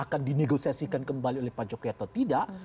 akan dinegosiasikan kembali oleh pak jokowi atau tidak